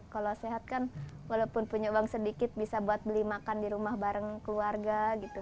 kalau sehat kan walaupun punya uang sedikit bisa buat beli makan di rumah bareng keluarga gitu